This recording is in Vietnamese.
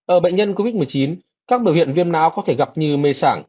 ở bệnh nhân covid một mươi chín các biểu hiện viêm não có thể gặp như mê sản